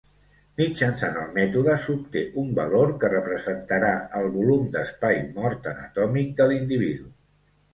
Mitjançant el mètode s'obté un valor que representarà el volum d'espai mort anatòmic de l'individu.